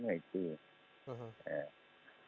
tapi yang dimasalahkan itu